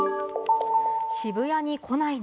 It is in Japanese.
「渋谷に来ないで」